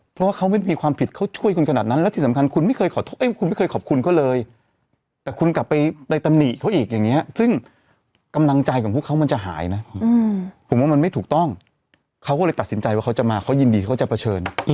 เพราะว่าเขาไม่มีความผิดเขาช่วยคุณขนาดนั้นแล้วที่สำคัญคุณไม่เคยขอโทษคุณไม่เคยขอบคุณเขาเลยแต่คุณกลับไปไปตำหนิเขาอีกอย่างนี้ซึ่งกำลังใจของพวกเขามันจะหายนะผมว่ามันไม่ถูกต้องเขาก็เลยตัดสินใจว่าเขาจะมาเขายินดีเขาจะเผชิญ